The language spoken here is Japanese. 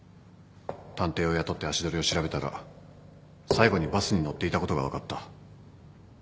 探偵を雇って足取りを調べたら最後にバスに乗っていたことが分かった。